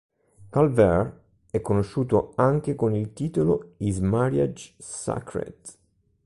Calvert; è conosciuto anche con il titolo "Is Marriage Sacred?